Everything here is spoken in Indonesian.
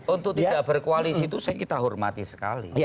untuk tidak berkoalisi itu kita hormati sekali